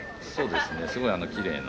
すごいきれいな。